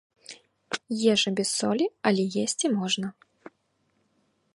Ежа без солі, але есці можна.